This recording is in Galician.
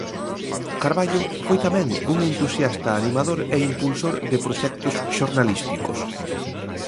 Carballo foi tamén un entusiasta animador e impulsor de proxectos xornalísticos.